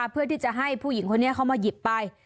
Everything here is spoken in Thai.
เพื่อที่จะให้ผู้หญิงคนนี้เข้ามาหยิบไป